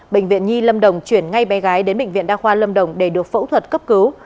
bệnh viện nhi lâm đồng chuyển ngay bé gái đến bệnh viện đa khoa lâm đồng để được phẫu thuật cấp cứu